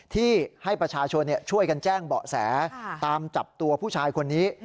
ที่ให้ประชาชนช่วยกันแจ้งเบาะแสตามจับตัวผู้ชายคนนี้